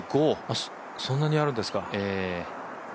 そんなにあるんですか。